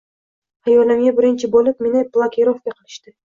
Xayolimga birinchi bo'lib meni blokirovka qilishdi